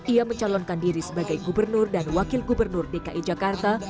ia mencalonkan diri sebagai gubernur dan wakil gubernur dki jakarta